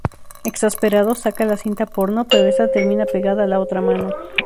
Exasperado, saca la cinta porno, pero esta termina pegada a la otra mano.